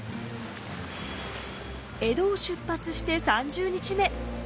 江戸を出発して３０日目。